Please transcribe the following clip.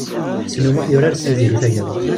Ḥsen U Muḥ yurar s Tiziri Tagawawt.